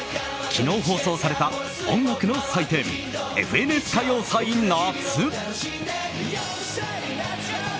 昨日、放送された音楽の祭典「ＦＮＳ歌謡祭夏」。